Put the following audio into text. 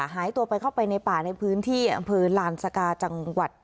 หายตัวไปเข้าไปในป่าในพื้นที่อำเภอลานสกาจังหวัด